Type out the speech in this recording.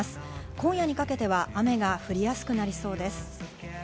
今夜にかけては雨が降りやすくなりそうです。